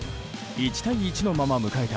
１対１のまま迎えた